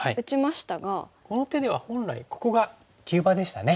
この手では本来ここが急場でしたね。